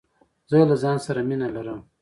زه له ځانه سره مینه لرم.